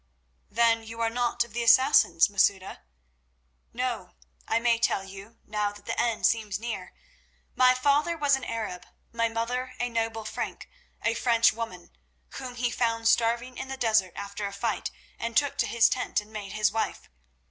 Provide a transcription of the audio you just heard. "Then you are not of the Assassins, Masouda?" "No; I may tell you, now that the end seems near. My father was an Arab, my mother a noble Frank, a French woman, whom he found starving in the desert after a fight, and took to his tent and made his wife.